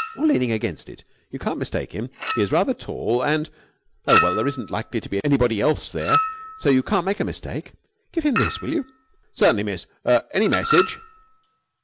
"Or leaning against it. You can't mistake him. He is rather tall and.... Oh, well, there isn't likely to be anybody else there, so you can't make a mistake. Give him this, will you?" "Certainly, miss. Er any message?"